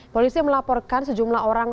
polisi melaporkan sejumlah orang